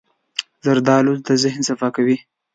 زردالو د ذهن صفا کوي.